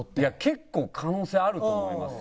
結構可能性あると思います。